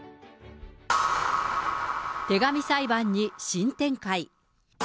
手紙裁判に新展開。